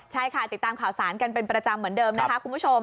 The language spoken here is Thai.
ใช่ค่ะติดตามข่าวสารกันเป็นประจำเหมือนเดิมนะคะคุณผู้ชม